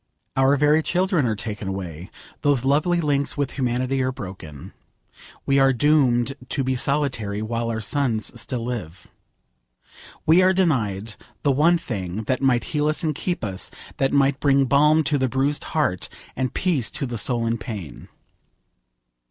Our very children are taken away. Those lovely links with humanity are broken. We are doomed to be solitary, while our sons still live. We are denied the one thing that might heal us and keep us, that might bring balm to the bruised heart, and peace to the soul in pain.